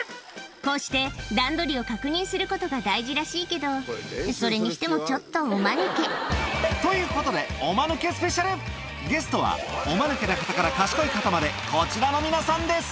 こうして段取りを確認することが大事らしいけどそれにしてもちょっとおマヌケということでゲストはおマヌケな方から賢い方までこちらの皆さんです